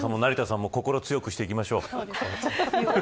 成田さんも心、強くしていきましょう。